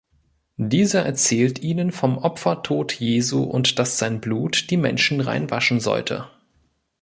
Dieser erzählt ihnen vom Opfertod Jesu und dass sein Blut die Menschen reinwaschen sollte.